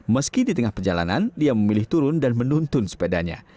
meski di tengah perjalanan dia memilih turun dan menuntun sepedanya